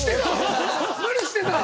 無理してた！